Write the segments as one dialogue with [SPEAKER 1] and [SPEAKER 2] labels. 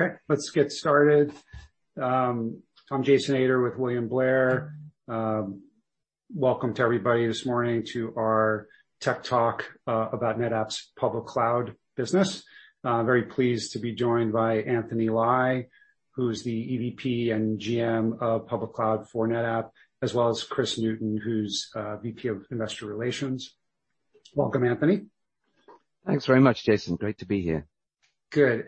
[SPEAKER 1] Okay, let's get started. I'm Jason Ader with William Blair. Welcome to everybody this morning to our tech talk about NetApp's Public Cloud business. I'm very pleased to be joined by Anthony Lye, who is the EVP and GM of Public Cloud for NetApp, as well as Kris Newton, who's VP of Investor Relations. Welcome, Anthony.
[SPEAKER 2] Thanks very much, Jason. Great to be here.
[SPEAKER 1] Good.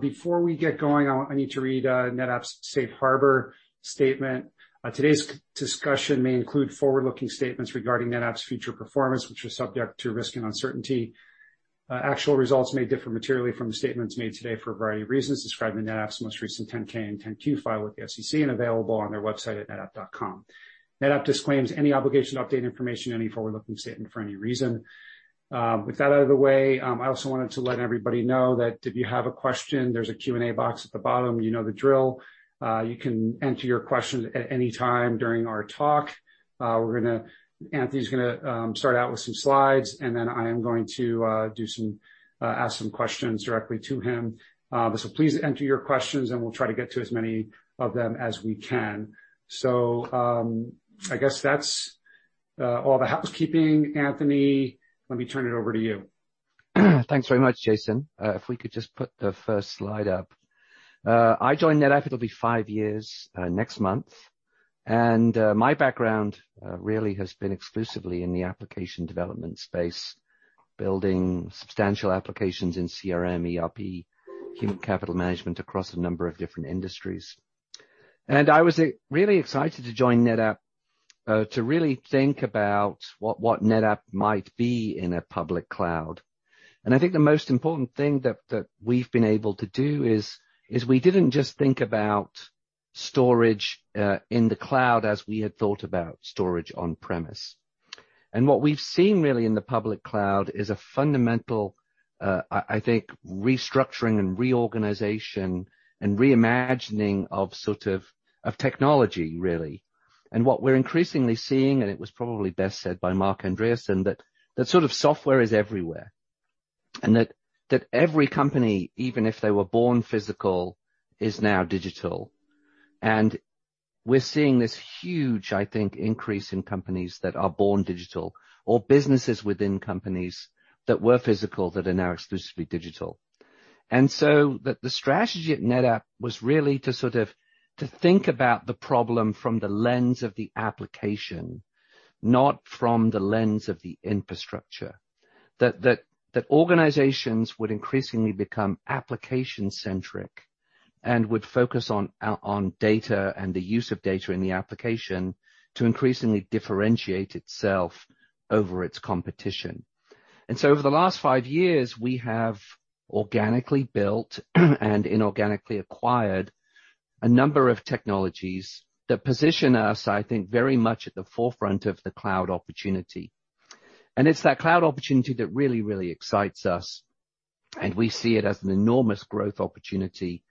[SPEAKER 1] Before we get going, I need to read NetApp's safe harbor statement. Today's discussion may include forward-looking statements regarding NetApp's future performance, which are subject to risk and uncertainty. Actual results may differ materially from the statements made today for a variety of reasons described in NetApp's most recent 10-K and 10-Q filed with the SEC and available on their website at netapp.com. NetApp disclaims any obligation to update information on any forward-looking statement for any reason. With that out of the way, I also wanted to let everybody know that if you have a question, there's a Q&A box at the bottom. You know the drill. You can enter your question at any time during our talk. We're gonna. Anthony's gonna start out with some slides, and then I am going to ask some questions directly to him. Please enter your questions and we'll try to get to as many of them as we can. I guess that's all the housekeeping. Anthony, let me turn it over to you.
[SPEAKER 2] Thanks very much, Jason. If we could just put the first slide up. I joined NetApp, it'll be five years next month. My background really has been exclusively in the application development space, building substantial applications in CRM, ERP, human capital management across a number of different industries. I was really excited to join NetApp to really think about what NetApp might be in a public cloud. I think the most important thing that we've been able to do is we didn't just think about storage in the cloud as we had thought about storage on-premise. What we've seen really in the public cloud is a fundamental I think restructuring and reorganization and reimagining of sort of technology, really. What we're increasingly seeing, and it was probably best said by Marc Andreessen, that sort of software is everywhere, and that every company, even if they were born physical, is now digital. We're seeing this huge, I think, increase in companies that are born digital or businesses within companies that were physical that are now exclusively digital. The strategy at NetApp was really to sort of to think about the problem from the lens of the application, not from the lens of the infrastructure. That organizations would increasingly become application-centric and would focus on data and the use of data in the application to increasingly differentiate itself over its competition. Over the last five years, we have organically built and inorganically acquired a number of technologies that position us, I think, very much at the forefront of the cloud opportunity. It's that cloud opportunity that really, really excites us, and we see it as an enormous growth opportunity,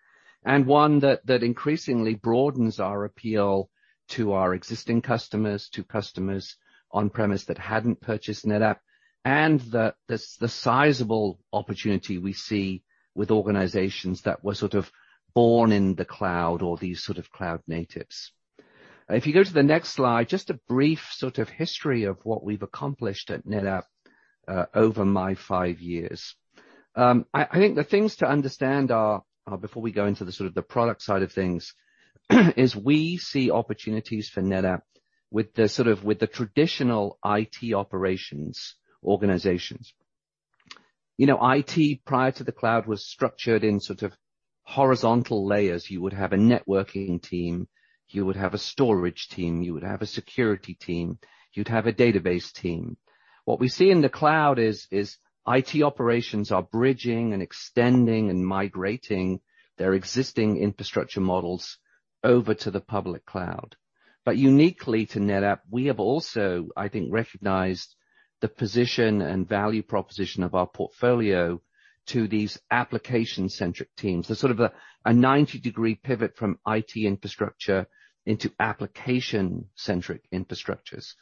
[SPEAKER 2] and one that increasingly broadens our appeal to our existing customers, to customers on-premise that hadn't purchased NetApp, and the sizable opportunity we see with organizations that were sort of born in the cloud or these sort of cloud natives. If you go to the next slide, just a brief sort of history of what we've accomplished at NetApp over my five years. I think the things to understand are, before we go into the sort of product side of things, is we see opportunities for NetApp with the traditional IT operations organizations. You know, IT, prior to the cloud, was structured in sort of horizontal layers. You would have a networking team, you would have a storage team, you would have a security team, you'd have a database team. What we see in the cloud is IT operations are bridging and extending and migrating their existing infrastructure models over to the public cloud. Uniquely to NetApp, we have also, I think, recognized the position and value proposition of our portfolio to these application-centric teams. The sort of a 90-degree pivot from IT infrastructure into application-centric infrastructures.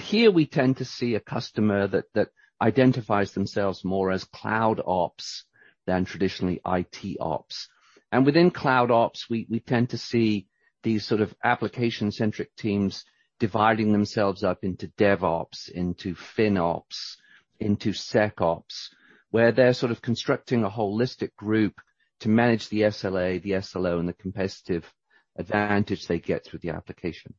[SPEAKER 2] Here we tend to see a customer that identifies themselves more as cloud ops than traditionally IT ops. Within cloud ops, we tend to see these sort of application-centric teams dividing themselves up into DevOps, into FinOps, into SecOps, where they're sort of constructing a holistic group to manage the SLA, the SLO, and the competitive advantage they get with the application.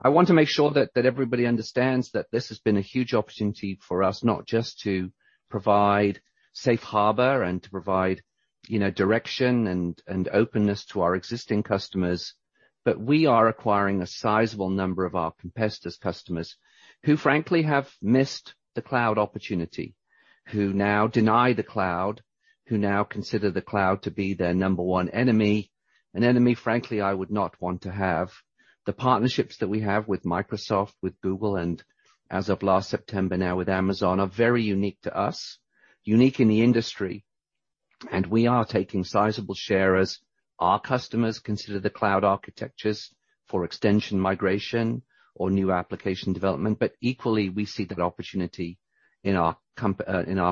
[SPEAKER 2] I want to make sure that everybody understands that this has been a huge opportunity for us, not just to provide safe harbor and to provide, you know, direction and openness to our existing customers, but we are acquiring a sizable number of our competitors' customers who, frankly, have missed the cloud opportunity, who now deny the cloud, who now consider the cloud to be their number one enemy. An enemy, frankly, I would not want to have. The partnerships that we have with Microsoft, with Google, and as of last September now with Amazon, are very unique to us, unique in the industry, and we are taking sizable share as our customers consider the cloud architectures for extension migration or new application development. Equally, we see that opportunity in our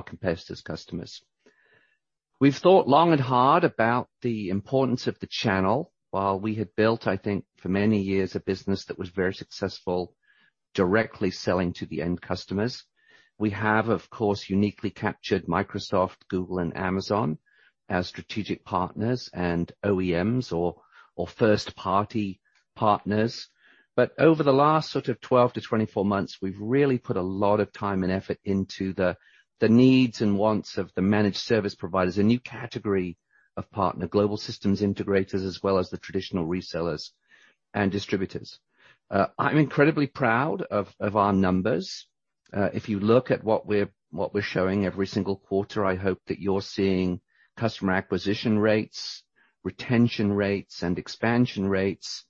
[SPEAKER 2] competitors' customers. We've thought long and hard about the importance of the channel. While we had built, I think, for many years, a business that was very successful directly selling to the end customers. We have, of course, uniquely captured Microsoft, Google, and Amazon as strategic partners and OEMs or first party partners. Over the last sort of 12-24 months, we've really put a lot of time and effort into the needs and wants of the managed service providers, a new category of partner, global systems integrators, as well as the traditional resellers and distributors. I'm incredibly proud of our numbers. If you look at what we're showing every single quarter, I hope that you're seeing customer acquisition rates, retention rates, and expansion rates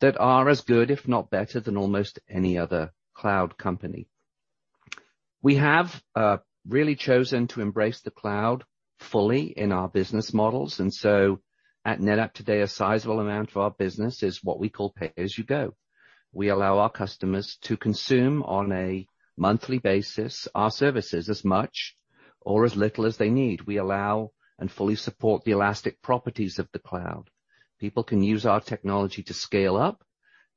[SPEAKER 2] that are as good, if not better, than almost any other cloud company. We have really chosen to embrace the cloud fully in our business models. At NetApp today, a sizable amount of our business is what we call pay-as-you-go. We allow our customers to consume on a monthly basis our services as much or as little as they need. We allow and fully support the elastic properties of the cloud. People can use our technology to scale up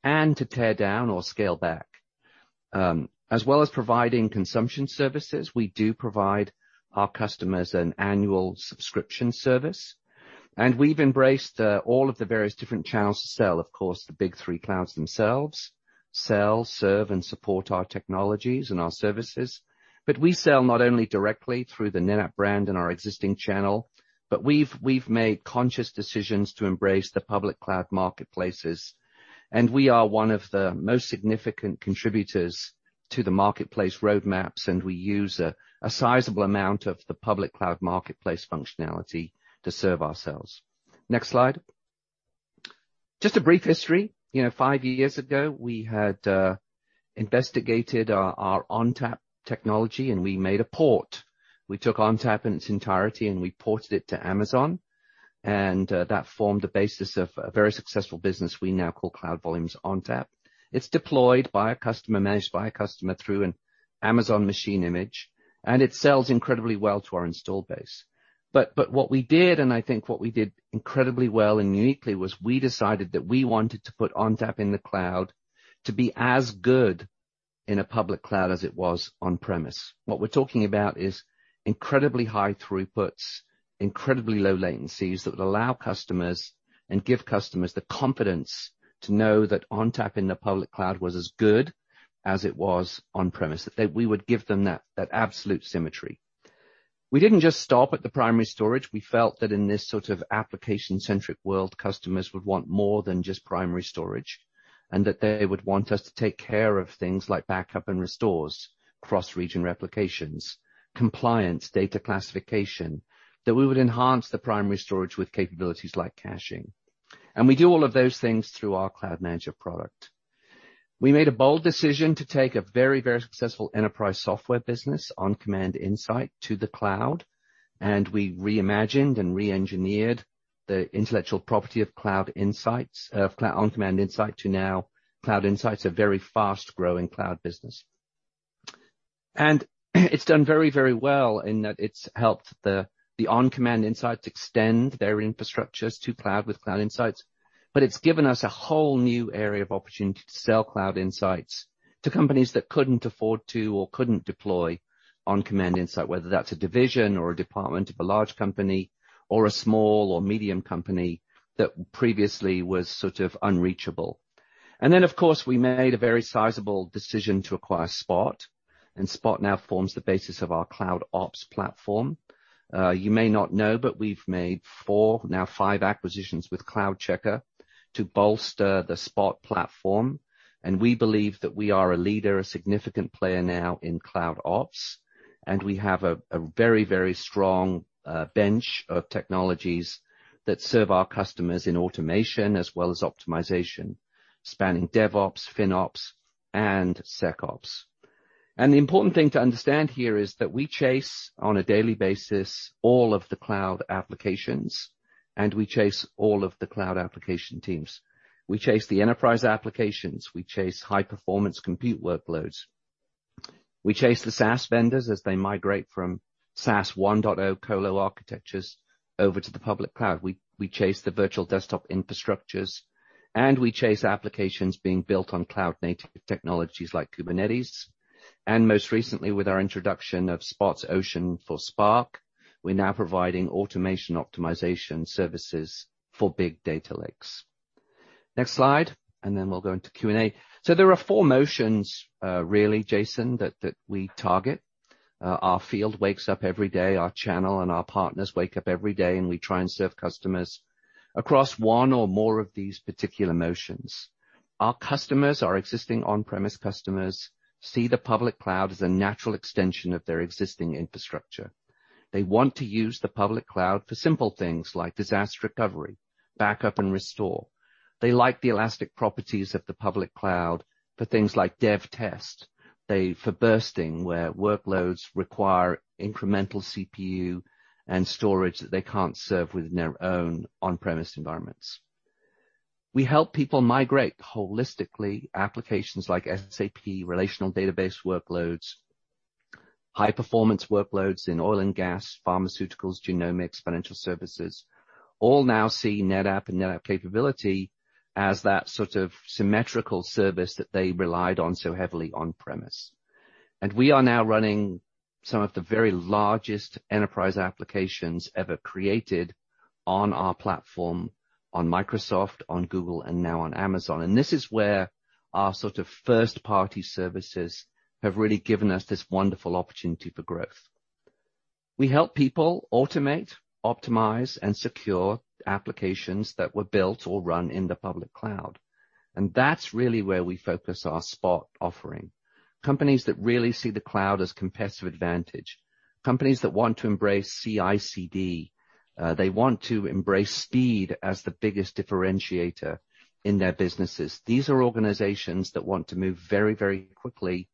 [SPEAKER 2] and to tear down or scale back. As well as providing consumption services, we do provide our customers an annual subscription service. We've embraced all of the various different channels to sell. Of course, the big three clouds themselves sell, serve, and support our technologies and our services. We sell not only directly through the NetApp brand and our existing channel, but we've made conscious decisions to embrace the public cloud marketplaces. We are one of the most significant contributors to the marketplace roadmaps, and we use a sizable amount of the public cloud marketplace functionality to serve ourselves. Next slide. Just a brief history. You know, five years ago, we had investigated our ONTAP technology, and we made a port. We took ONTAP in its entirety, and we ported it to Amazon. That formed the basis of a very successful business we now call Cloud Volumes ONTAP. It's deployed by a customer, managed by a customer through an Amazon Machine Image, and it sells incredibly well to our installed base. What we did, and I think what we did incredibly well and uniquely, was we decided that we wanted to put ONTAP in the cloud to be as good in a public cloud as it was on-premises. What we're talking about is incredibly high throughputs, incredibly low latencies that would allow customers and give customers the confidence to know that ONTAP in the public cloud was as good as it was on-premises, we would give them that absolute symmetry. We didn't just stop at the primary storage. We felt that in this sort of application-centric world, customers would want more than just primary storage, and that they would want us to take care of things like backup and restores, cross-region replications, compliance, data classification, that we would enhance the primary storage with capabilities like caching. We do all of those things through our cloud manager product. We made a bold decision to take a very, very successful enterprise software business, OnCommand Insight, to the cloud, and we reimagined and reengineered the intellectual property of OnCommand Insight to now Cloud Insights, a very fast-growing cloud business. It's done very, very well in that it's helped the OnCommand Insight extend their infrastructures to cloud with Cloud Insights. It's given us a whole new area of opportunity to sell Cloud Insights to companies that couldn't afford to or couldn't deploy OnCommand Insight, whether that's a division or a department of a large company or a small or medium company that previously was sort of unreachable. Then, of course, we made a very sizable decision to acquire Spot, and Spot now forms the basis of our CloudOps platform. You may not know, but we've made four, now five acquisitions with CloudCheckr to bolster the Spot platform. We believe that we are a leader, a significant player now in CloudOps, and we have a very, very strong bench of technologies that serve our customers in automation as well as optimization, spanning DevOps, FinOps, and SecOps. The important thing to understand here is that we chase on a daily basis all of the cloud applications, and we chase all of the cloud application teams. We chase the enterprise applications, we chase high-performance compute workloads. We chase the SaaS vendors as they migrate from SaaS 1.0 colo architectures over to the public cloud. We chase the virtual desktop infrastructures, and we chase applications being built on cloud-native technologies like Kubernetes, and most recently with our introduction of Spot's Ocean for Spark, we're now providing automation optimization services for big data lakes. Next slide, and then we'll go into Q&A. There are four motions, really, Jason, that we target. Our field wakes up every day, our channel and our partners wake up every day, and we try and serve customers across one or more of these particular motions. Our customers, our existing on-premise customers, see the public cloud as a natural extension of their existing infrastructure. They want to use the public cloud for simple things like disaster recovery, backup and restore. They like the elastic properties of the public cloud for things like dev test. For bursting, where workloads require incremental CPU and storage that they can't serve within their own on-premise environments. We help people migrate holistically applications like SAP, relational database workloads, high performance workloads in oil and gas, pharmaceuticals, genomics, financial services, all now see NetApp and NetApp capability as that sort of symmetrical service that they relied on so heavily on premise. We are now running some of the very largest enterprise applications ever created on our platform, on Microsoft, on Google, and now on Amazon. This is where our sort of first party services have really given us this wonderful opportunity for growth. We help people automate, optimize, and secure applications that were built or run in the public cloud. That's really where we focus our Spot offering. Companies that really see the cloud as competitive advantage, companies that want to embrace CI/CD, they want to embrace speed as the biggest differentiator in their businesses. These are organizations that want to move very, very quickly,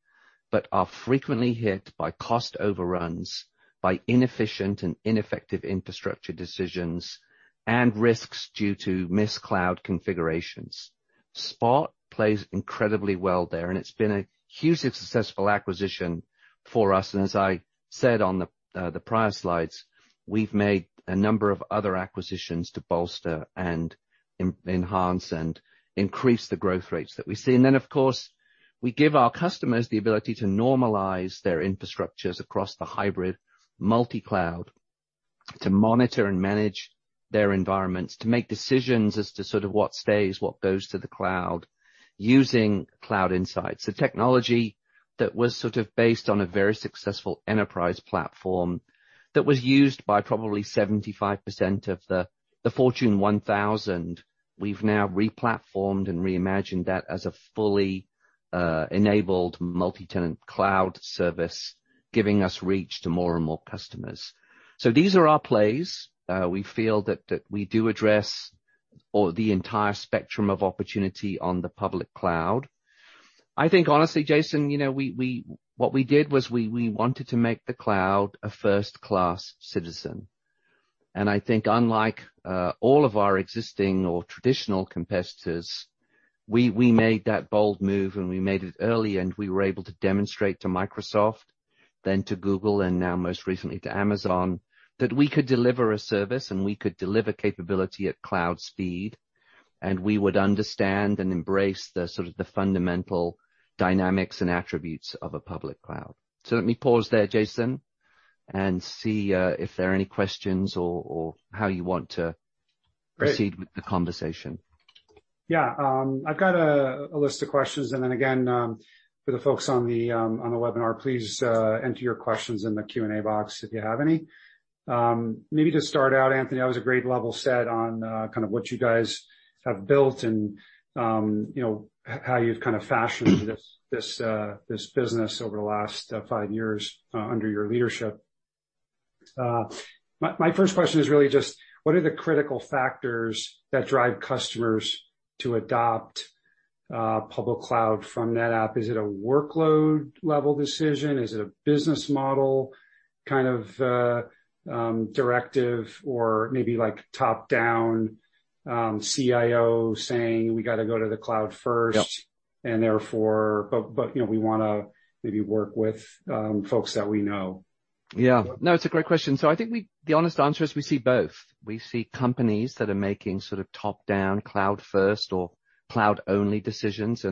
[SPEAKER 2] but are frequently hit by cost overruns, by inefficient and ineffective infrastructure decisions and risks due to misconfigured cloud configurations. Spot plays incredibly well there, and it's been a hugely successful acquisition for us. As I said on the prior slides, we've made a number of other acquisitions to bolster and enhance and increase the growth rates that we see. Of course, we give our customers the ability to normalize their infrastructures across the hybrid multi-cloud, to monitor and manage their environments, to make decisions as to sort of what stays, what goes to the cloud, using Cloud Insights, a technology that was sort of based on a very successful enterprise platform that was used by probably 75% of the Fortune 1000. We've now replatformed and reimagined that as a fully enabled multi-tenant cloud service, giving us reach to more and more customers. These are our plays. We feel that we do address all the entire spectrum of opportunity on the public cloud. I think, honestly, Jason, you know, what we did was we wanted to make the cloud a first-class citizen. I think unlike all of our existing or traditional competitors, we made that bold move, and we made it early, and we were able to demonstrate to Microsoft, then to Google, and now most recently to Amazon, that we could deliver a service and we could deliver capability at cloud speed, and we would understand and embrace the sort of the fundamental dynamics and attributes of a public cloud. Let me pause there, Jason, and see if there are any questions or how you want to proceed with the conversation.
[SPEAKER 1] Yeah. I've got a list of questions, and then again, for the folks on the webinar, please enter your questions in the Q&A box if you have any. Maybe to start out, Anthony, that was a great level set on kind of what you guys have built and you know how you've kind of fashioned this business over the last five years under your leadership. My first question is really just what are the critical factors that drive customers to adopt public cloud from NetApp? Is it a workload level decision? Is it a business model kind of directive or maybe like top-down CIO saying, "We got to go to the cloud first.
[SPEAKER 2] Yep.
[SPEAKER 1] You know, we wanna maybe work with folks that we know.
[SPEAKER 2] Yeah. No, it's a great question. I think we, the honest answer is we see both. We see companies that are making sort of top-down, cloud-first or cloud-only decisions.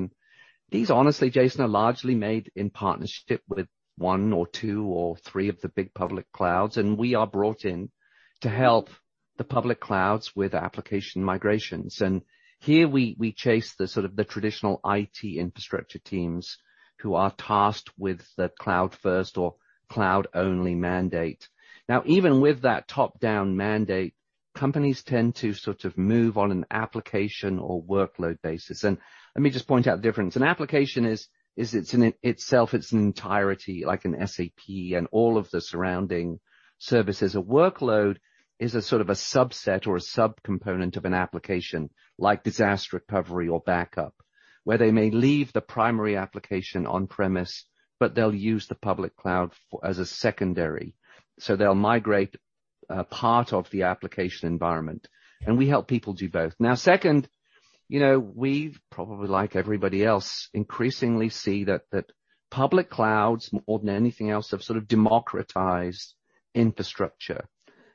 [SPEAKER 2] These, honestly, Jason, are largely made in partnership with one or two or three of the big public clouds, and we are brought in to help the public clouds with application migrations. Here we chase the sort of the traditional IT infrastructure teams who are tasked with the cloud-first or cloud-only mandate. Now, even with that top-down mandate, companies tend to sort of move on an application or workload basis. Let me just point out the difference. An application is in itself, it's an entirety like an SAP and all of the surrounding services. A workload is a sort of a subset or a subcomponent of an application like disaster recovery or backup, where they may leave the primary application on premise, but they'll use the public cloud as a secondary. They'll migrate part of the application environment, and we help people do both. Now, second, you know, we've probably, like everybody else, increasingly see that public clouds more than anything else have sort of democratized infrastructure,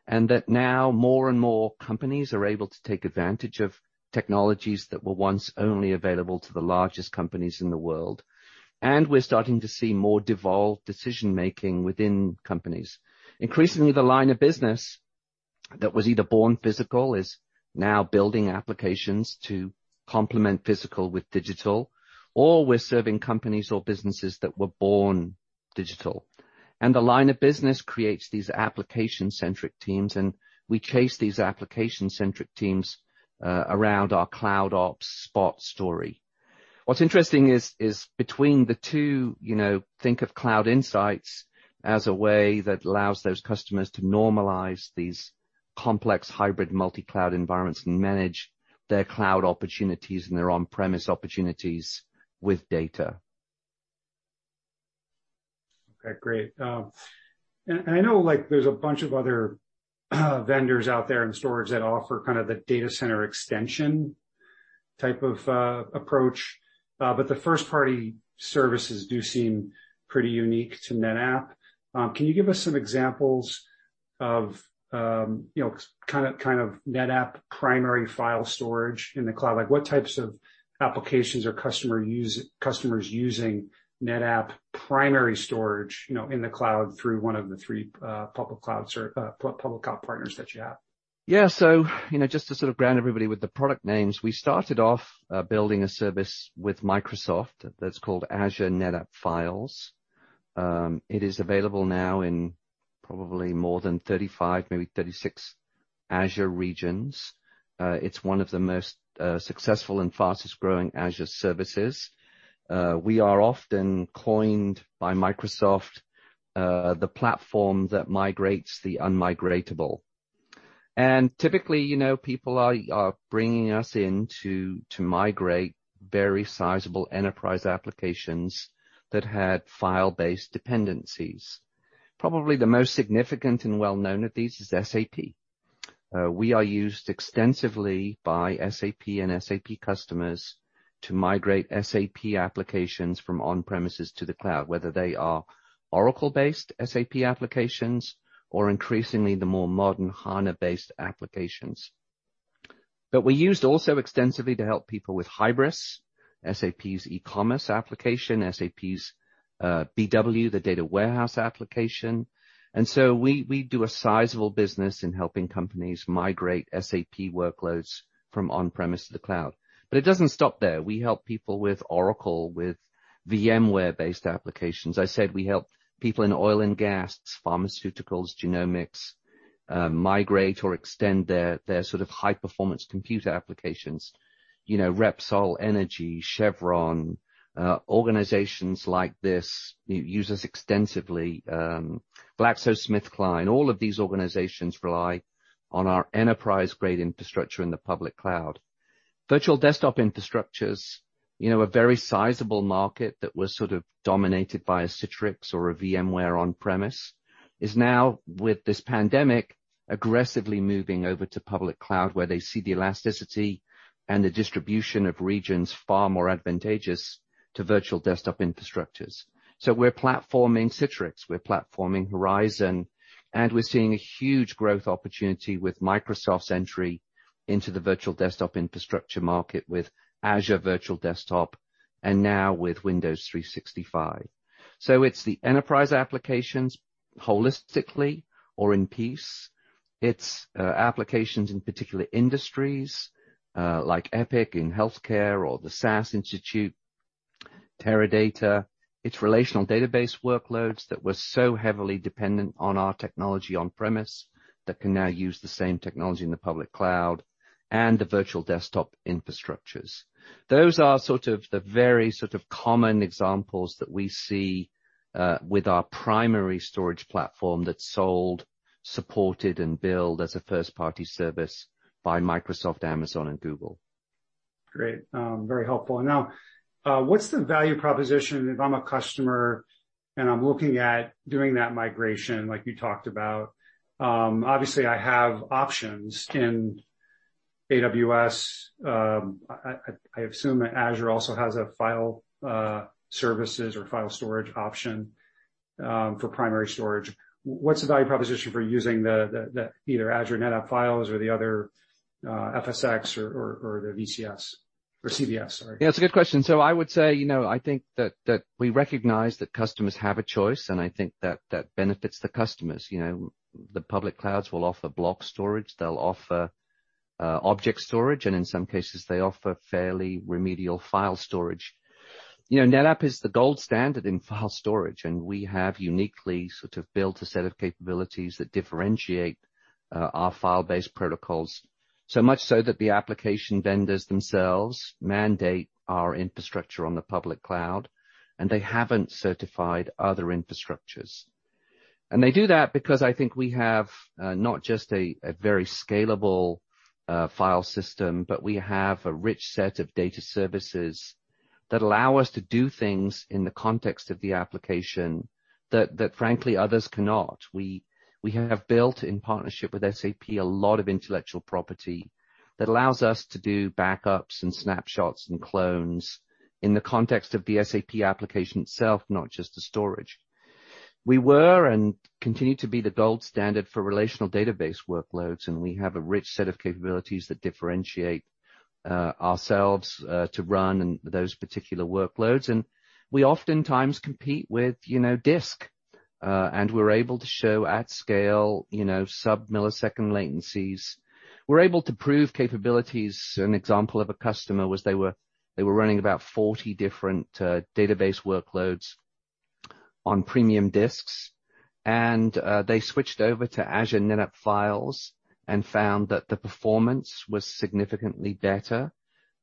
[SPEAKER 2] and that now more and more companies are able to take advantage of technologies that were once only available to the largest companies in the world. We're starting to see more devolved decision-making within companies. Increasingly, the line of business that was either born physical is now building applications to complement physical with digital, or we're serving companies or businesses that were born digital. The line of business creates these application-centric teams, and we chase these application-centric teams around our CloudOps Spot story. What's interesting is between the two, you know, think of Cloud Insights as a way that allows those customers to normalize these complex hybrid multi-cloud environments and manage their cloud opportunities and their on-premise opportunities with data.
[SPEAKER 1] Okay, great. I know there's a bunch of other vendors out there in storage that offer kind of the data center extension type of approach, but the first party services do seem pretty unique to NetApp. Can you give us some examples of kind of NetApp primary file storage in the cloud? What types of applications are customers using NetApp primary storage in the cloud through one of the three public cloud partners that you have?
[SPEAKER 2] Yeah. You know, just to sort of ground everybody with the product names, we started off building a service with Microsoft that's called Azure NetApp Files. It is available now in probably more than 35, maybe 36 Azure regions. It's one of the most successful and fastest growing Azure services. We are often coined by Microsoft, the platform that migrates the un-migratable. Typically, you know, people are bringing us in to migrate very sizable enterprise applications that had file-based dependencies. Probably the most significant and well known of these is SAP. We are used extensively by SAP and SAP customers to migrate SAP applications from on-premises to the cloud, whether they are Oracle-based SAP applications or increasingly the more modern HANA-based applications. We're used also extensively to help people with Hybris, SAP's e-commerce application, SAP's BW, the data warehouse application. We do a sizable business in helping companies migrate SAP workloads from on-premise to the cloud. It doesn't stop there. We help people with Oracle, with VMware-based applications. I said we help people in oil and gas, pharmaceuticals, genomics, migrate or extend their sort of high performance computer applications. You know, Repsol, Energy, Chevron, organizations like this use us extensively. GlaxoSmithKline, all of these organizations rely on our enterprise-grade infrastructure in the public cloud. Virtual desktop infrastructures, you know, a very sizable market that was sort of dominated by a Citrix or a VMware on-premise, is now, with this pandemic, aggressively moving over to public cloud, where they see the elasticity and the distribution of regions far more advantageous to virtual desktop infrastructures. We're platforming Citrix, we're platforming Horizon, and we're seeing a huge growth opportunity with Microsoft's entry into the virtual desktop infrastructure market with Azure Virtual Desktop and now with Windows 365. It's the enterprise applications holistically or in piece. It's applications in particular industries, like Epic in healthcare or the SAS Institute, Teradata. It's relational database workloads that were so heavily dependent on our technology on-premise that can now use the same technology in the public cloud and the virtual desktop infrastructures. Those are sort of the very common examples that we see with our primary storage platform that's sold, supported, and billed as a first-party service by Microsoft, Amazon and Google.
[SPEAKER 1] Great. Very helpful. Now, what's the value proposition if I'm a customer and I'm looking at doing that migration like you talked about? Obviously I have options in AWS. I assume that Azure also has a file services or file storage option for primary storage. What's the value proposition for using either Azure NetApp Files or the other FSx or the CVS? Sorry.
[SPEAKER 2] Yeah, it's a good question. I would say, you know, I think that we recognize that customers have a choice, and I think that benefits the customers. You know, the public clouds will offer block storage, they'll offer object storage, and in some cases they offer fairly remedial file storage. You know, NetApp is the gold standard in file storage, and we have uniquely sort of built a set of capabilities that differentiate our file-based protocols, so much so that the application vendors themselves mandate our infrastructure on the public cloud, and they haven't certified other infrastructures. They do that because I think we have not just a very scalable file system, but we have a rich set of data services that allow us to do things in the context of the application that frankly others cannot. We have built in partnership with SAP a lot of intellectual property that allows us to do backups and snapshots and clones in the context of the SAP application itself, not just the storage. We were and continue to be the gold standard for relational database workloads, and we have a rich set of capabilities that differentiate ourselves to run those particular workloads. We oftentimes compete with, you know, disk, and we're able to show at scale, you know, sub-millisecond latencies. We're able to prove capabilities. An example of a customer was they were running about 40 different database workloads on premium disks, and they switched over to Azure NetApp Files and found that the performance was significantly better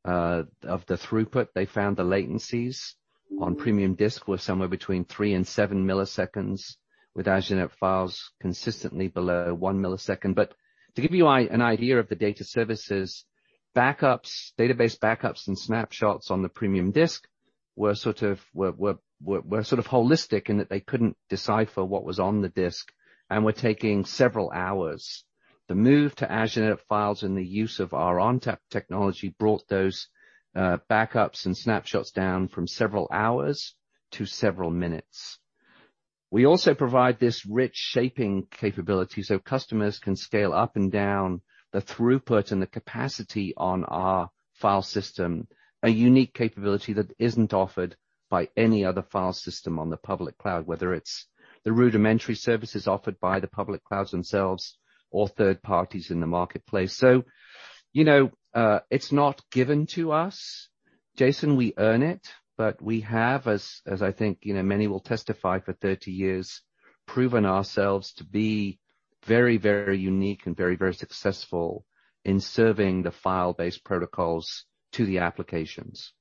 [SPEAKER 2] of the throughput. They found the latencies on premium disk were somewhere between three and seven milliseconds, with Azure NetApp Files consistently below 1 millisecond. To give you an idea of the data services. Backups, database backups and snapshots on the premium disk were sort of holistic in that they couldn't decipher what was on the disk and were taking several hours. The move to Azure NetApp Files and the use of our ONTAP technology brought those backups and snapshots down from several hours to several minutes. We also provide this rich shaping capability so customers can scale up and down the throughput and the capacity on our file system, a unique capability that isn't offered by any other file system on the public cloud, whether it's the rudimentary services offered by the public clouds themselves or third parties in the marketplace. You know, it's not given to us, Jason. We earn it, but we have, as I think you know, many will testify for 30 years, proven ourselves to be very, very unique and very, very successful in serving the file-based protocols to the applications.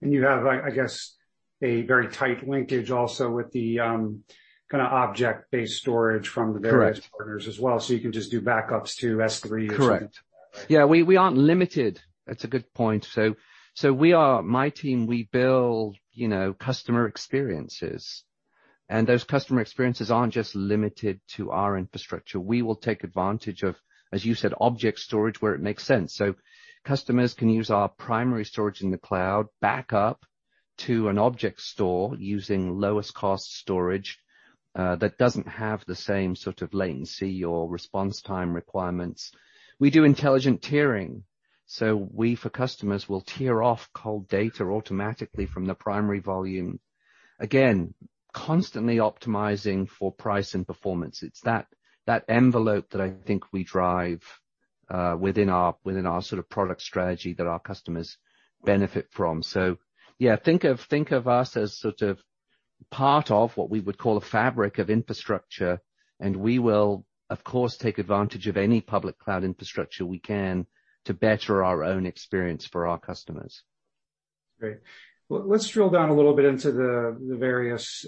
[SPEAKER 1] You have, I guess, a very tight linkage also with the kinda object-based storage from the.
[SPEAKER 2] Correct.
[SPEAKER 1] various partners as well. You can just do backups to S3.
[SPEAKER 2] Correct.
[SPEAKER 1] Something like that, right?
[SPEAKER 2] Yeah, we aren't limited. That's a good point. We are... My team, we build, you know, customer experiences, and those customer experiences aren't just limited to our infrastructure. We will take advantage of, as you said, object storage where it makes sense. Customers can use our primary storage in the cloud, back up to an object store using lowest cost storage that doesn't have the same sort of latency or response time requirements. We do intelligent tiering, so we, for customers, will tier off cold data automatically from the primary volume. Again, constantly optimizing for price and performance. It's that envelope that I think we drive within our sort of product strategy that our customers benefit from. Yeah, think of us as sort of part of what we would call a fabric of infrastructure, and we will of course take advantage of any public cloud infrastructure we can to better our own experience for our customers.
[SPEAKER 1] Great. Well, let's drill down a little bit into the various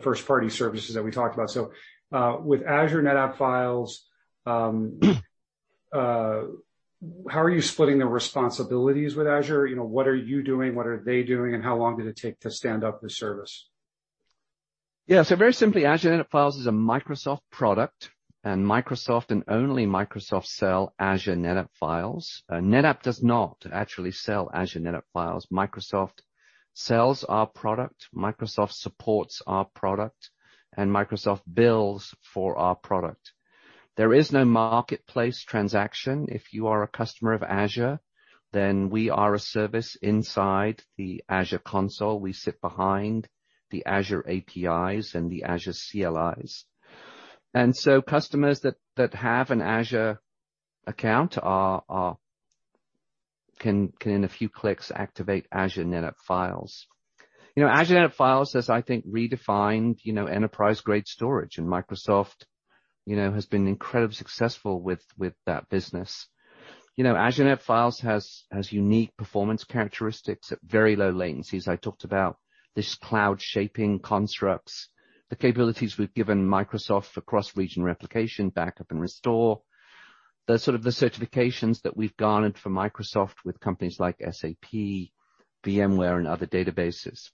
[SPEAKER 1] first party services that we talked about. With Azure NetApp Files, how are you splitting the responsibilities with Azure? You know, what are you doing? What are they doing, and how long did it take to stand up the service?
[SPEAKER 2] Yeah. Very simply, Azure NetApp Files is a Microsoft product, and Microsoft and only Microsoft sell Azure NetApp Files. NetApp does not actually sell Azure NetApp Files. Microsoft sells our product, Microsoft supports our product, and Microsoft bills for our product. There is no marketplace transaction. If you are a customer of Azure, then we are a service inside the Azure console. We sit behind the Azure APIs and the Azure CLIs. Customers that have an Azure account can in a few clicks activate Azure NetApp Files. You know, Azure NetApp Files has, I think, redefined, you know, enterprise-grade storage. Microsoft, you know, has been incredibly successful with that business. You know, Azure NetApp Files has unique performance characteristics at very low latencies. I talked about this cloud shaping constructs. The capabilities we've given Microsoft for cross-region replication, backup, and restore. The sort of certifications that we've garnered for Microsoft with companies like SAP, VMware, and other databases.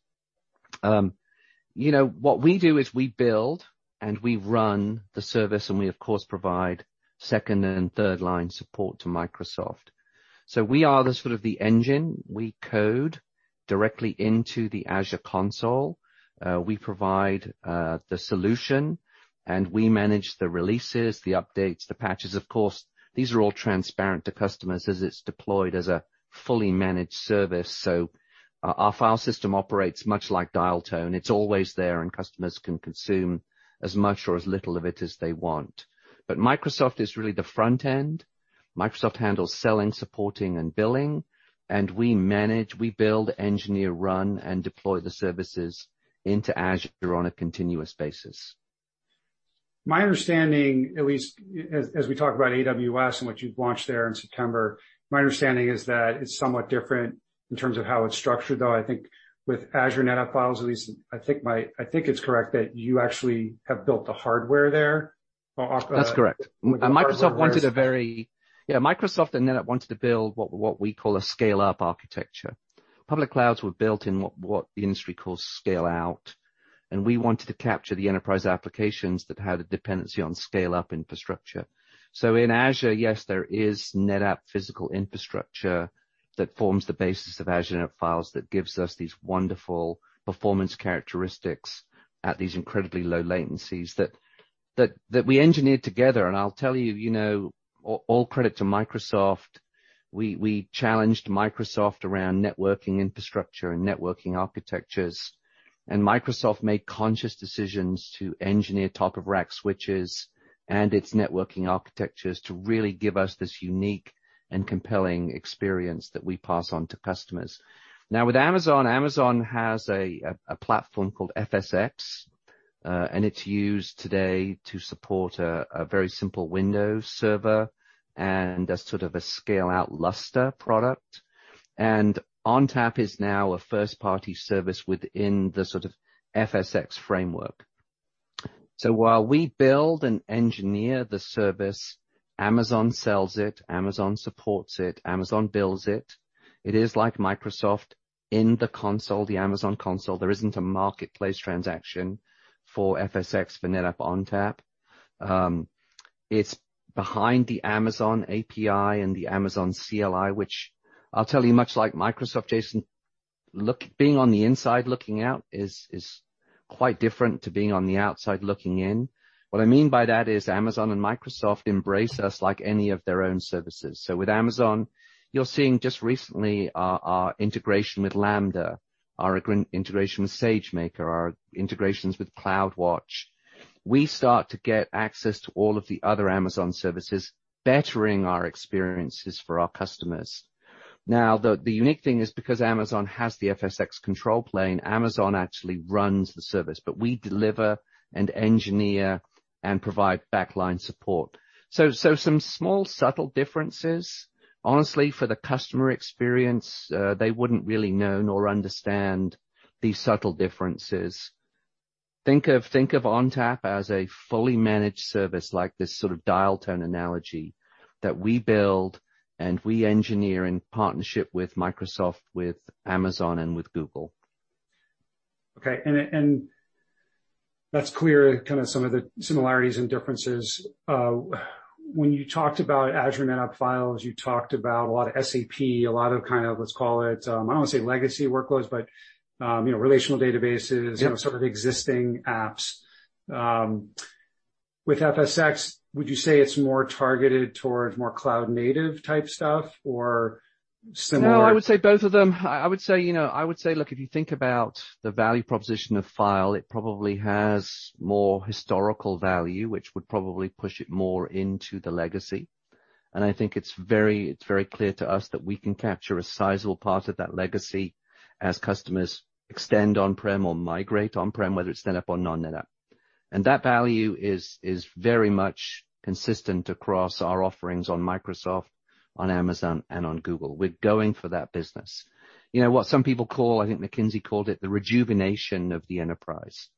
[SPEAKER 2] You know, what we do is we build and we run the service, and we of course provide second and third line support to Microsoft. We are the sort of engine. We code directly into the Azure console. We provide the solution, and we manage the releases, the updates, the patches. Of course, these are all transparent to customers as it's deployed as a fully managed service. Our file system operates much like dial tone. It's always there, and customers can consume as much or as little of it as they want. Microsoft is really the front end. Microsoft handles selling, supporting, and billing, and we manage, we build, engineer, run, and deploy the services into Azure on a continuous basis.
[SPEAKER 1] My understanding, at least as we talk about AWS and what you've launched there in September, my understanding is that it's somewhat different in terms of how it's structured, though I think with Azure NetApp Files at least, I think it's correct that you actually have built the hardware there off-
[SPEAKER 2] That's correct.
[SPEAKER 1] The hardware.
[SPEAKER 2] Microsoft and NetApp wanted to build what we call a scale-up architecture. Public clouds were built in what the industry calls scale-out, and we wanted to capture the enterprise applications that had a dependency on scale-up infrastructure. In Azure, yes, there is NetApp physical infrastructure that forms the basis of Azure NetApp Files that gives us these wonderful performance characteristics at these incredibly low latencies that we engineered together. I'll tell you know, all credit to Microsoft, we challenged Microsoft around networking infrastructure and networking architectures, and Microsoft made conscious decisions to engineer top of rack switches and its networking architectures to really give us this unique and compelling experience that we pass on to customers. Now, with Amazon has a platform called FSx, and it's used today to support a very simple Windows server and as sort of a scale-out Lustre product. ONTAP is now a first-party service within the FSx framework. While we build and engineer the service, Amazon sells it, Amazon supports it, Amazon bills it. It is like Microsoft in the console, the Amazon console. There isn't a marketplace transaction for FSx for NetApp ONTAP. It's behind the Amazon API and the Amazon CLI, which I'll tell you, much like Microsoft, Jason, look, being on the inside looking out is quite different to being on the outside looking in. What I mean by that is Amazon and Microsoft embrace us like any of their own services. With Amazon, you're seeing just recently our integration with Lambda, our integration with SageMaker, our integrations with CloudWatch. We start to get access to all of the other Amazon services, bettering our experiences for our customers. Now, the unique thing is, because Amazon has the FSx control plane, Amazon actually runs the service, but we deliver and engineer and provide backline support. Some small subtle differences. Honestly, for the customer experience, they wouldn't really know nor understand these subtle differences. Think of ONTAP as a fully managed service like this sort of dial tone analogy that we build and we engineer in partnership with Microsoft, with Amazon, and with Google.
[SPEAKER 1] Okay, that's clear, kind of some of the similarities and differences. When you talked about Azure NetApp Files, you talked about a lot of SAP, a lot of kind of, let's call it, I don't wanna say legacy workloads, but, you know, relational databases.
[SPEAKER 2] Yeah.
[SPEAKER 1] You know, sort of existing apps. With FSx, would you say it's more targeted towards more cloud native type stuff or similar?
[SPEAKER 2] No, I would say both of them. I would say, you know, look, if you think about the value proposition of file, it probably has more historical value, which would probably push it more into the legacy. I think it's very clear to us that we can capture a sizable part of that legacy as customers extend on-prem or migrate on-prem, whether it's NetApp or non-NetApp. That value is very much consistent across our offerings on Microsoft, on Amazon, and on Google. We're going for that business. You know, what some people call, I think McKinsey called it, the rejuvenation of the enterprise.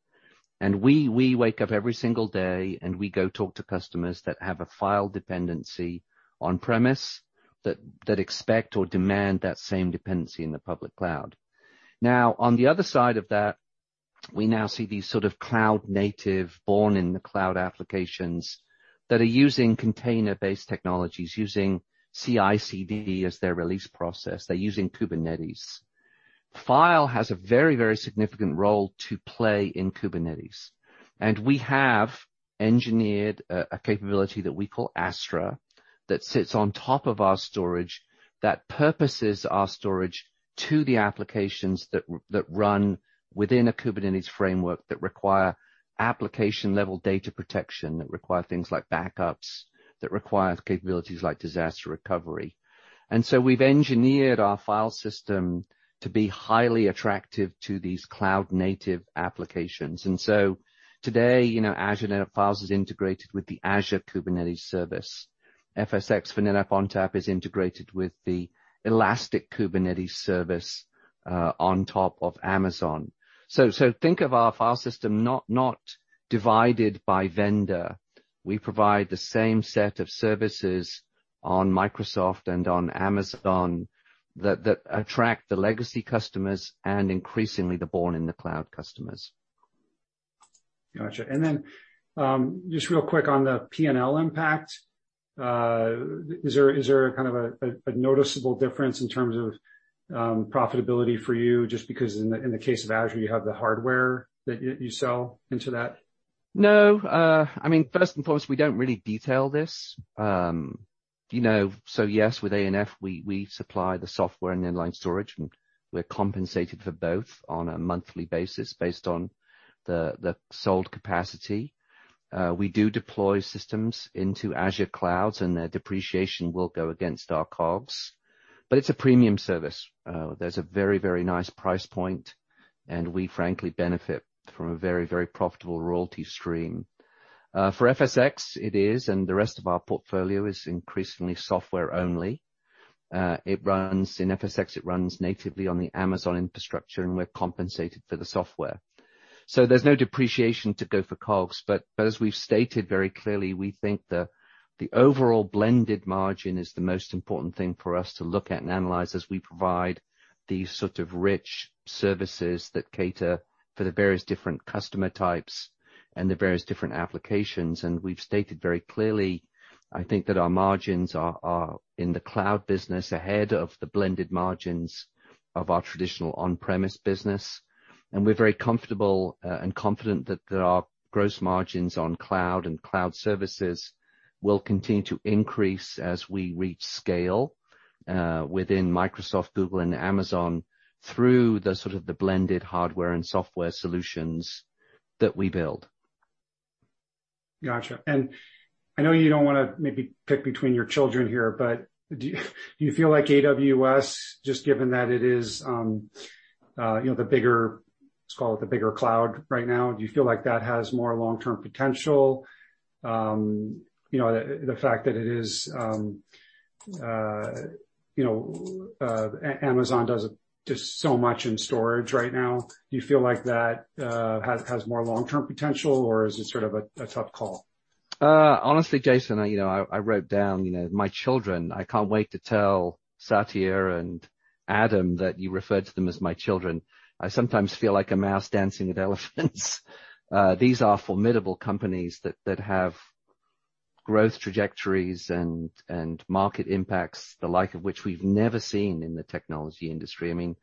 [SPEAKER 2] We wake up every single day, and we go talk to customers that have a file dependency on-premise, that expect or demand that same dependency in the public cloud. Now, on the other side of that, we now see these sort of cloud native, born in the cloud applications that are using container-based technologies, using CI/CD as their release process. They're using Kubernetes. File has a very, very significant role to play in Kubernetes. We have engineered a capability that we call Astra that sits on top of our storage, that purposes our storage to the applications that run within a Kubernetes framework that require application-level data protection, that require things like backups, that require capabilities like disaster recovery. We've engineered our file system to be highly attractive to these cloud native applications. Today, you know, Azure NetApp Files is integrated with the Azure Kubernetes Service. FSx for NetApp ONTAP is integrated with the Elastic Kubernetes Service on top of Amazon. Think of our file system not divided by vendor. We provide the same set of services on Microsoft and on Amazon that attract the legacy customers and increasingly the born in the cloud customers.
[SPEAKER 1] Gotcha. Just real quick on the P&L impact. Is there kind of a noticeable difference in terms of profitability for you just because in the case of Azure, you have the hardware that you sell into that?
[SPEAKER 2] No. I mean, first and foremost, we don't really detail this. You know, yes, with ANF, we supply the software and inline storage, and we're compensated for both on a monthly basis based on the sold capacity. We do deploy systems into Azure clouds, and their depreciation will go against our COGS. It's a premium service. There's a very nice price point, and we frankly benefit from a very profitable royalty stream. For FSx, it is, and the rest of our portfolio is increasingly software only. It runs in FSx natively on the Amazon infrastructure, and we're compensated for the software. There's no depreciation to go for COGS. As we've stated very clearly, we think the overall blended margin is the most important thing for us to look at and analyze as we provide these sort of rich services that cater for the various different customer types and the various different applications. We've stated very clearly, I think that our margins are in the cloud business ahead of the blended margins of our traditional on-premise business. We're very comfortable and confident that there are gross margins on cloud, and cloud services will continue to increase as we reach scale within Microsoft, Google, and Amazon through the sort of the blended hardware and software solutions that we build.
[SPEAKER 1] Gotcha. I know you don't wanna maybe pick between your children here, but do you feel like AWS, just given that it is, you know, the bigger... let's call it the bigger cloud right now, do you feel like that has more long-term potential? You know, the fact that it is, Amazon does just so much in storage right now, do you feel like that has more long-term potential, or is it sort of a tough call?
[SPEAKER 2] Honestly, Jason, you know, I wrote down, you know, my children. I can't wait to tell Satya and Adam that you referred to them as my children. I sometimes feel like a mouse dancing with elephants. These are formidable companies that have growth trajectories and market impacts, the like of which we've never seen in the technology industry. I mean,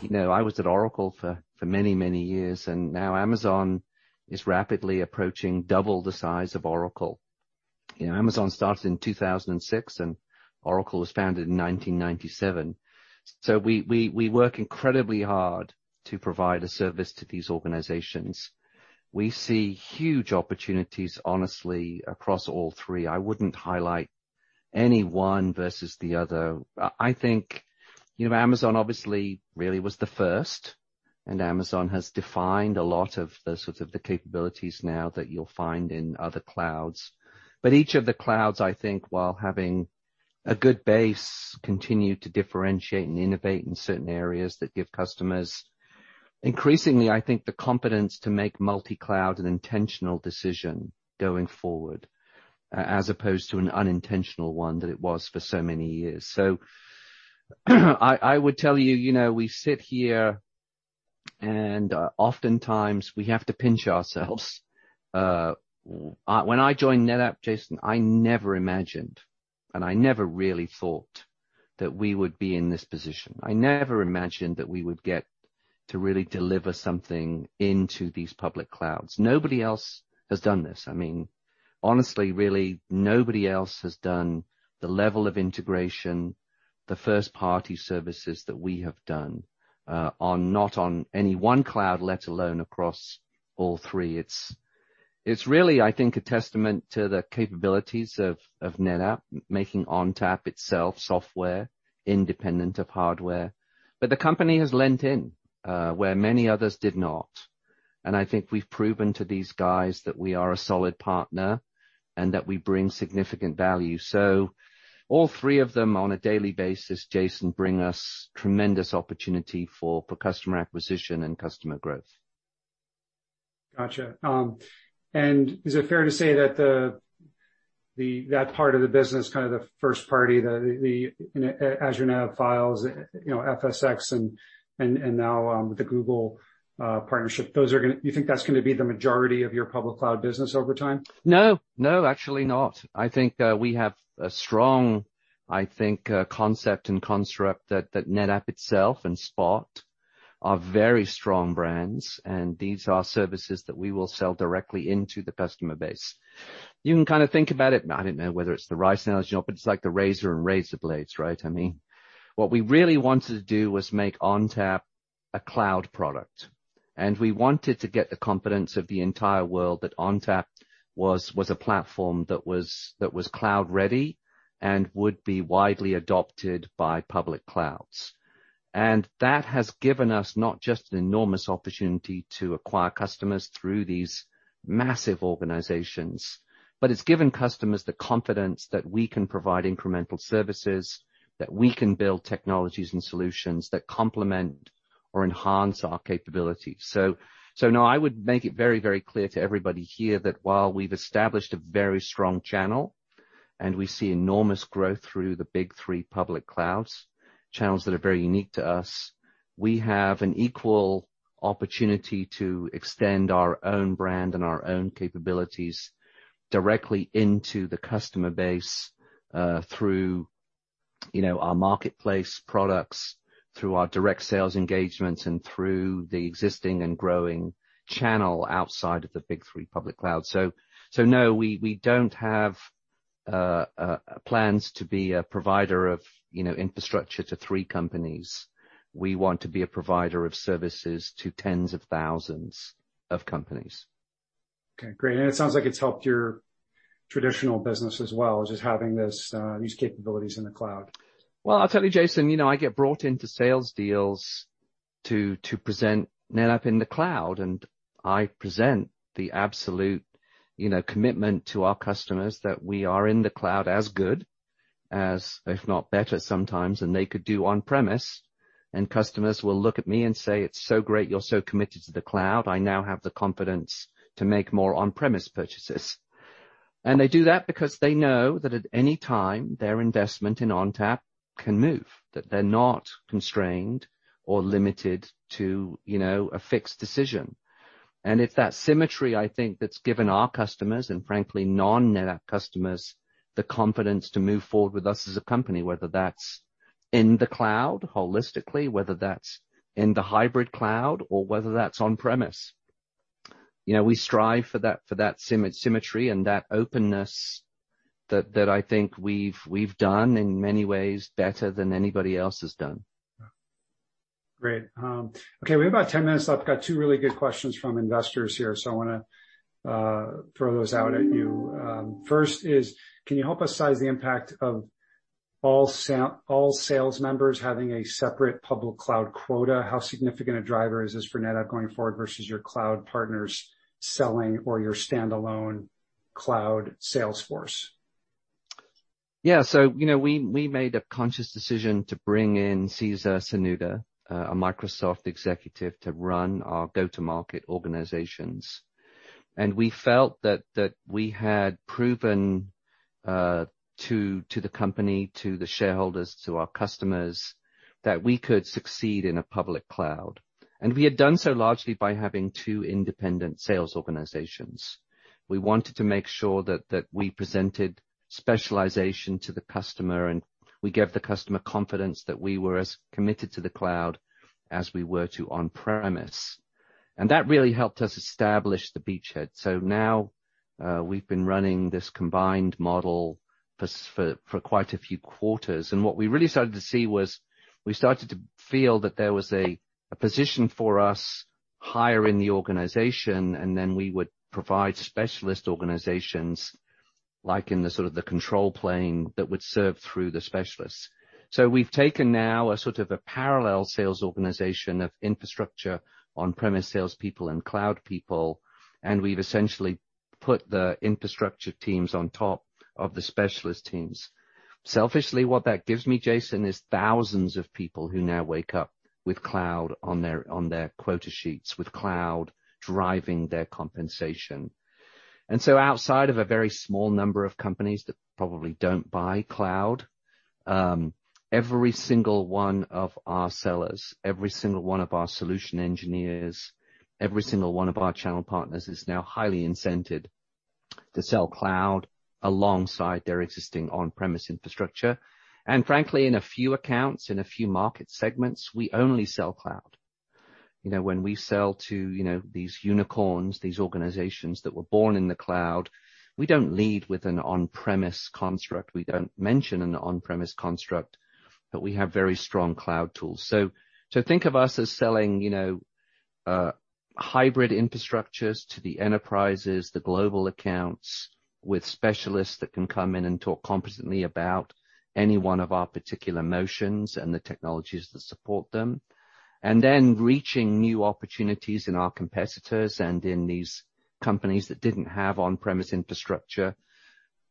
[SPEAKER 2] you know, I was at Oracle for many years, and now Amazon is rapidly approaching double the size of Oracle. You know, Amazon started in 2006, and Oracle was founded in 1997. We work incredibly hard to provide a service to these organizations. We see huge opportunities, honestly, across all three. I wouldn't highlight any one versus the other. I think, you know, Amazon obviously really was the first, and Amazon has defined a lot of the sort of the capabilities now that you'll find in other clouds. But each of the clouds, I think, while having a good base, continue to differentiate and innovate in certain areas that give customers, increasingly, I think, the confidence to make multi-cloud an intentional decision going forward, as opposed to an unintentional one that it was for so many years. I would tell you know, we sit here and, oftentimes we have to pinch ourselves. When I joined NetApp, Jason, I never imagined, and I never really thought that we would be in this position. I never imagined that we would get to really deliver something into these public clouds. Nobody else has done this. I mean, honestly, really nobody else has done the level of integration, the first-party services that we have done, not on any one cloud, let alone across all three. It's really, I think, a testament to the capabilities of NetApp making ONTAP itself software independent of hardware. The company has leaned in where many others did not, and I think we've proven to these guys that we are a solid partner and that we bring significant value. All three of them, on a daily basis, Jason, bring us tremendous opportunity for customer acquisition and customer growth.
[SPEAKER 1] Gotcha. Is it fair to say that part of the business, kind of the first party, you know, Azure NetApp Files, you know, FSx and now the Google partnership, you think that's gonna be the majority of your public cloud business over time?
[SPEAKER 2] No, actually not. I think we have a strong. I think concept and construct that NetApp itself and Spot are very strong brands, and these are services that we will sell directly into the customer base. You can kind of think about it. I don't know whether it's the right analogy or not, but it's like the razor and razor blades, right? I mean, what we really wanted to do was make ONTAP a cloud product, and we wanted to get the confidence of the entire world that ONTAP was a platform that was cloud-ready and would be widely adopted by public clouds. That has given us not just an enormous opportunity to acquire customers through these massive organizations, but it's given customers the confidence that we can provide incremental services, that we can build technologies and solutions that complement or enhance our capabilities. So no, I would make it very, very clear to everybody here that while we've established a very strong channel, and we see enormous growth through the big three public clouds, channels that are very unique to us, we have an equal opportunity to extend our own brand and our own capabilities directly into the customer base, through, you know, our marketplace products, through our direct sales engagements, and through the existing and growing channel outside of the big three public clouds. So no, we don't have plans to be a provider of, you know, infrastructure to three companies. We want to be a provider of services to tens of thousands of companies.
[SPEAKER 1] Okay, great. It sounds like it's helped your traditional business as well, just having this, these capabilities in the cloud.
[SPEAKER 2] Well, I'll tell you, Jason, you know, I get brought into sales deals to present NetApp in the cloud, and I present the absolute, you know, commitment to our customers that we are in the cloud as good as, if not better sometimes, than they could do on-premises. Customers will look at me and say, "It's so great you're so committed to the cloud. I now have the confidence to make more on-premises purchases." They do that because they know that at any time, their investment in ONTAP can move, that they're not constrained or limited to, you know, a fixed decision. It's that symmetry, I think, that's given our customers and frankly, non-NetApp customers, the confidence to move forward with us as a company, whether that's in the cloud holistically, whether that's in the hybrid cloud, or whether that's on-premises. You know, we strive for that symmetry and that openness that I think we've done in many ways better than anybody else has done.
[SPEAKER 1] Yeah. Great. Okay, we have about 10 minutes left. Got two really good questions from investors here, so I wanna throw those out at you. First is: Can you help us size the impact of all sales members having a separate public cloud quota, how significant a driver is this for NetApp going forward versus your cloud partners selling or your standalone cloud sales force?
[SPEAKER 2] Yeah. You know, we made a conscious decision to bring in César Cernuda, a Microsoft executive, to run our go-to-market organizations. We felt that we had proven to the company, to the shareholders, to our customers, that we could succeed in a public cloud. We had done so largely by having two independent sales organizations. We wanted to make sure that we presented specialization to the customer, and we gave the customer confidence that we were as committed to the cloud as we were to on-premise. That really helped us establish the beachhead. Now, we've been running this combined model for quite a few quarters. What we really started to see was, we started to feel that there was a position for us higher in the organization, and then we would provide specialist organizations like in the sort of the control plane that would serve through the specialists. We've taken now a sort of a parallel sales organization of infrastructure on-premise salespeople and cloud people, and we've essentially put the infrastructure teams on top of the specialist teams. Selfishly, what that gives me, Jason, is thousands of people who now wake up with cloud on their quota sheets, with cloud driving their compensation. Outside of a very small number of companies that probably don't buy cloud, every single one of our sellers, every single one of our solution engineers, every single one of our channel partners is now highly incented to sell cloud alongside their existing on-premise infrastructure. Frankly, in a few accounts, in a few market segments, we only sell cloud. You know, when we sell to, you know, these unicorns, these organizations that were born in the cloud, we don't lead with an on-premise construct. We don't mention an on-premise construct, but we have very strong cloud tools. So think of us as selling, you know, hybrid infrastructures to the enterprises, the global accounts, with specialists that can come in and talk competently about any one of our particular motions and the technologies that support them. Then reaching new opportunities in our competitors and in these companies that didn't have on-premise infrastructure,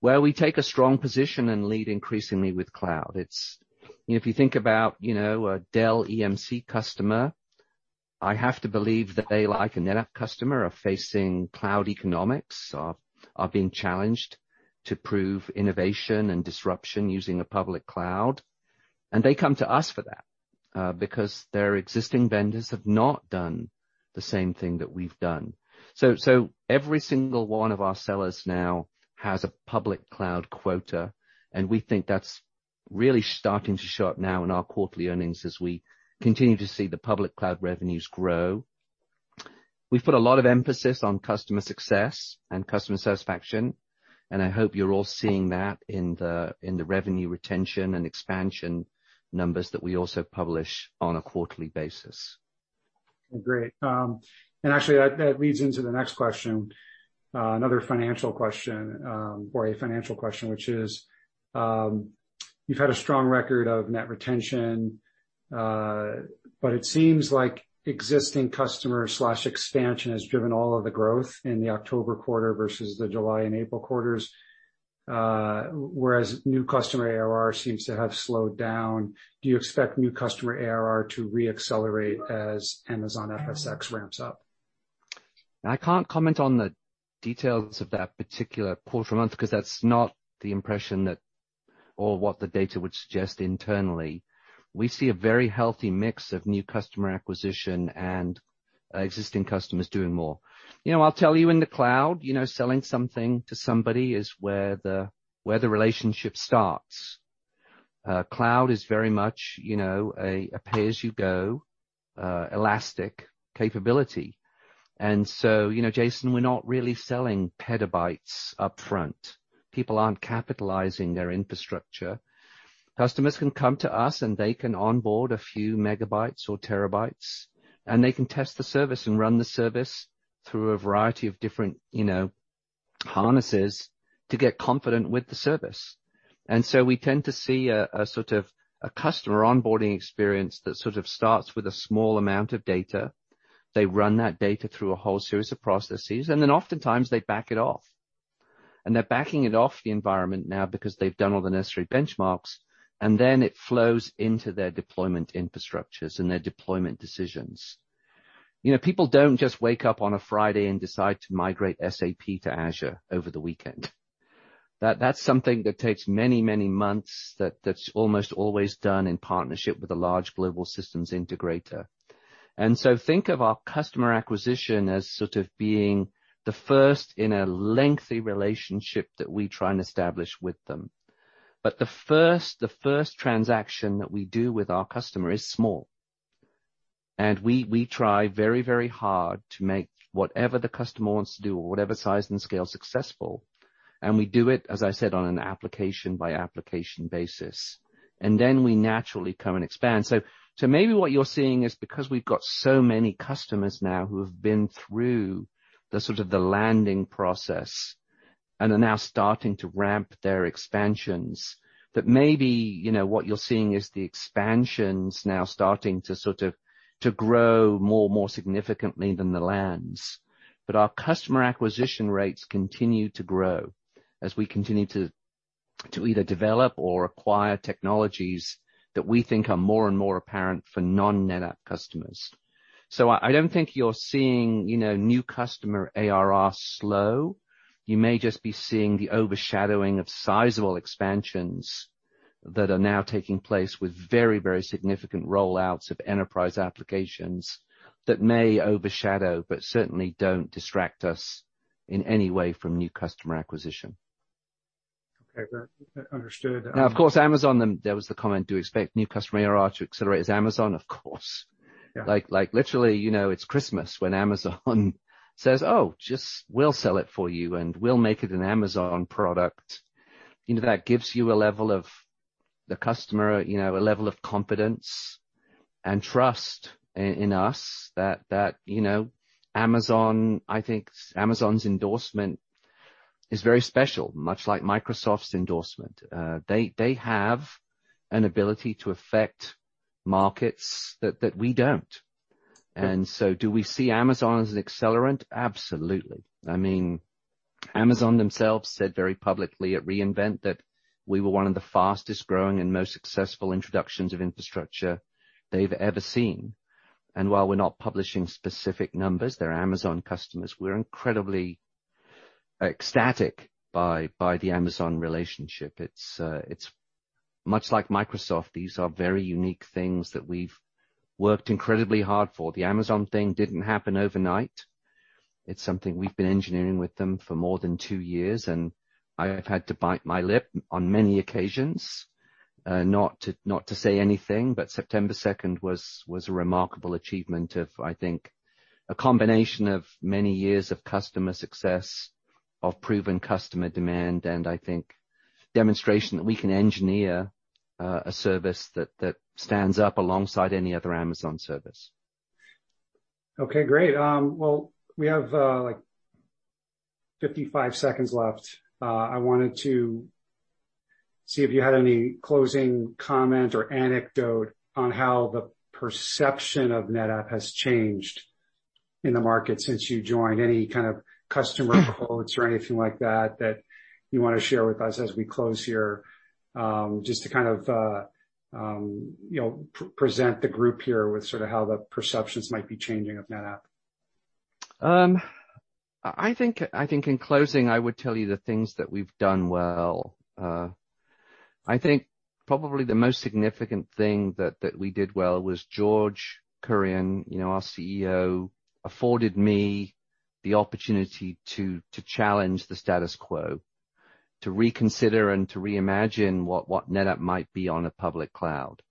[SPEAKER 2] where we take a strong position and lead increasingly with cloud. It's you know, if you think about, you know, a Dell EMC customer, I have to believe that they, like a NetApp customer, are facing cloud economics, are being challenged to prove innovation and disruption using a public cloud. They come to us for that, because their existing vendors have not done the same thing that we've done. Every single one of our sellers now has a public cloud quota, and we think that's really starting to show up now in our quarterly earnings as we continue to see the public cloud revenues grow. We've put a lot of emphasis on customer success and customer satisfaction, and I hope you're all seeing that in the revenue retention and expansion numbers that we also publish on a quarterly basis.
[SPEAKER 1] Great. And actually that leads into the next question, a financial question, which is, you've had a strong record of net retention, but it seems like existing customer expansion has driven all of the growth in the October quarter versus the July and April quarters, whereas new customer ARR seems to have slowed down. Do you expect new customer ARR to re-accelerate as Amazon FSx ramps up?
[SPEAKER 2] I can't comment on the details of that particular quarter month 'cause that's not the impression or what the data would suggest internally. We see a very healthy mix of new customer acquisition and existing customers doing more. You know, I'll tell you in the cloud, you know, selling something to somebody is where the relationship starts. Cloud is very much, you know, a pay-as-you-go elastic capability. You know, Jason, we're not really selling petabytes upfront. People aren't capitalizing their infrastructure. Customers can come to us, and they can onboard a few megabytes or terabytes, and they can test the service and run the service through a variety of different, you know, harnesses to get confident with the service. We tend to see a sort of customer onboarding experience that sort of starts with a small amount of data. They run that data through a whole series of processes, and then oftentimes they back it off. They're backing it off the environment now because they've done all the necessary benchmarks, and then it flows into their deployment infrastructures and their deployment decisions. You know, people don't just wake up on a Friday and decide to migrate SAP to Azure over the weekend. That's something that takes many, many months, that's almost always done in partnership with a large global systems integrator. Think of our customer acquisition as sort of being the first in a lengthy relationship that we try and establish with them. But the first transaction that we do with our customer is small. We try very, very hard to make whatever the customer wants to do or whatever size and scale successful, and we do it, as I said, on an application-by-application basis. We naturally come and expand. Maybe what you're seeing is because we've got so many customers now who have been through the sort of landing process and are now starting to ramp their expansions. That maybe, you know, what you're seeing is the expansions now starting to sort of grow more and more significantly than the lands. Our customer acquisition rates continue to grow as we continue to either develop or acquire technologies that we think are more and more apparent for non-NetApp customers. I don't think you're seeing, you know, new customer ARR slow. You may just be seeing the overshadowing of sizable expansions that are now taking place with very, very significant roll-outs of enterprise applications that may overshadow, but certainly don't distract us in any way from new customer acquisition.
[SPEAKER 1] Okay. Understood.
[SPEAKER 2] Now, of course, Amazon. Then there was the comment, do you expect new customer ARR to accelerate as Amazon? Of course.
[SPEAKER 1] Yeah.
[SPEAKER 2] Like, literally, you know, it's Christmas when Amazon says, "Oh, we'll sell it for you, and we'll make it an Amazon product." You know, that gives the customer a level of confidence and trust in us that Amazon's endorsement is very special, much like Microsoft's endorsement. They have an ability to affect markets that we don't.
[SPEAKER 1] Yeah.
[SPEAKER 2] Do we see Amazon as an accelerant? Absolutely. I mean, Amazon themselves said very publicly at re:Invent that we were one of the fastest-growing and most successful introductions of infrastructure they've ever seen. While we're not publishing specific numbers, they're Amazon customers, we're incredibly ecstatic by the Amazon relationship. It's much like Microsoft. These are very unique things that we've worked incredibly hard for. The Amazon thing didn't happen overnight. It's something we've been engineering with them for more than two years, and I have had to bite my lip on many occasions, not to say anything. September second was a remarkable achievement of, I think, a combination of many years of customer success, of proven customer demand, and I think demonstration that we can engineer a service that stands up alongside any other Amazon service.
[SPEAKER 1] Okay, great. Well, we have like 55 seconds left. I wanted to see if you had any closing comment or anecdote on how the perception of NetApp has changed in the market since you joined. Any kind of customer quotes or anything like that you wanna share with us as we close here, just to kind of, you know, present the group here with sort of how the perceptions might be changing of NetApp.
[SPEAKER 2] I think in closing, I would tell you the things that we've done well. I think probably the most significant thing that we did well was George Kurian, you know, our CEO, afforded me the opportunity to challenge the status quo, to reconsider and to reimagine what NetApp might be on a public cloud.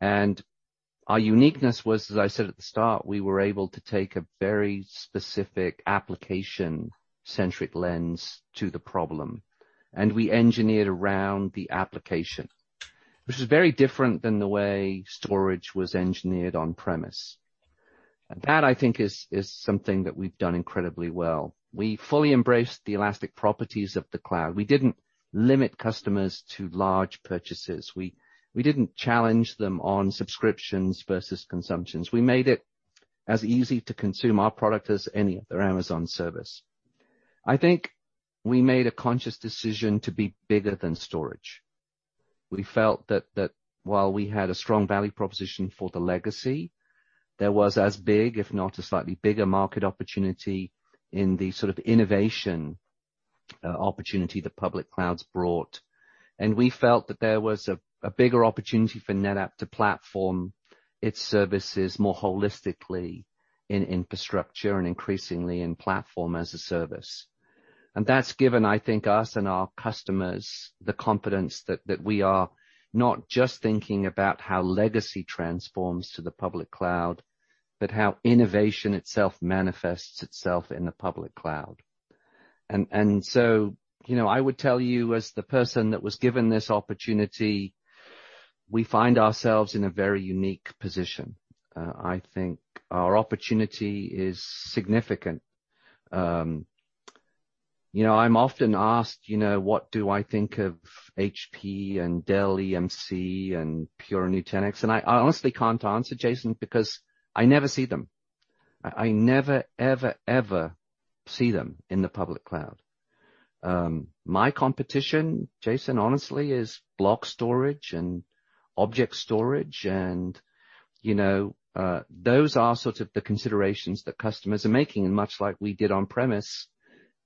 [SPEAKER 2] Our uniqueness was, as I said at the start, we were able to take a very specific application-centric lens to the problem, and we engineered around the application, which is very different than the way storage was engineered on premise. That, I think, is something that we've done incredibly well. We fully embraced the elastic properties of the cloud. We didn't limit customers to large purchases. We didn't challenge them on subscriptions versus consumptions. We made it as easy to consume our product as any other Amazon service. I think we made a conscious decision to be bigger than storage. We felt that while we had a strong value proposition for the legacy, there was as big, if not a slightly bigger market opportunity in the sort of innovation, opportunity the public clouds brought. We felt that there was a bigger opportunity for NetApp to platform its services more holistically in infrastructure and increasingly in platform as a service. That's given, I think, us and our customers the confidence that we are not just thinking about how legacy transforms to the public cloud, but how innovation itself manifests itself in the public cloud. You know, I would tell you as the person that was given this opportunity, we find ourselves in a very unique position. I think our opportunity is significant. You know, I'm often asked, you know, what do I think of HPE and Dell EMC and Pure and Nutanix, and I honestly can't answer, Jason, because I never see them. I never ever see them in the public cloud. My competition, Jason, honestly, is block storage and object storage and, you know, those are sort of the considerations that customers are making and much like we did on premise,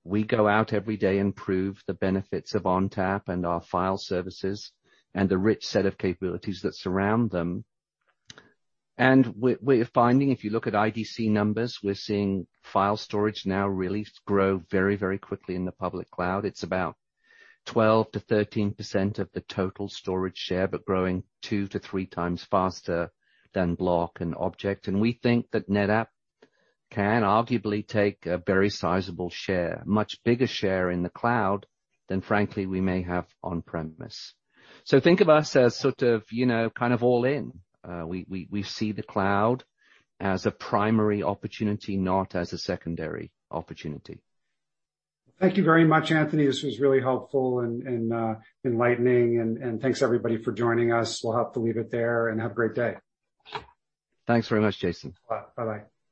[SPEAKER 2] we go out every day and prove the benefits of ONTAP and our file services and the rich set of capabilities that surround them. We're finding, if you look at IDC numbers, we're seeing file storage now really grow very, very quickly in the public cloud. It's about 12%-13% of the total storage share, but growing 2x-3x faster than block and object. We think that NetApp can arguably take a very sizable share, much bigger share in the cloud than frankly we may have on-premises. Think of us as sort of, you know, kind of all in. We see the cloud as a primary opportunity, not as a secondary opportunity.
[SPEAKER 1] Thank you very much, Anthony. This was really helpful and enlightening and thanks everybody for joining us. We'll have to leave it there and have a great day.
[SPEAKER 2] Thanks very much, Jason.
[SPEAKER 1] Bye-bye.